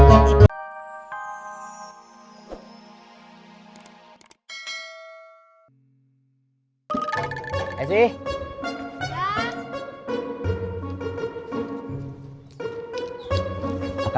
kau mau berangkat